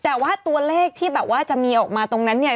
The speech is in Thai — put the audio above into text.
แต่ว่าตัวเลขที่แบบนั้นเป็นอยู่ออกมาตรงนั้นนี่